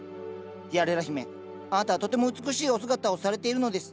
ティアレラ姫あなたはとても美しいお姿をされているのです。